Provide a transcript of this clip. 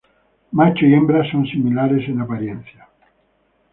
Macho y hembra son similares en apariencia.